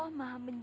kamu gitu murdered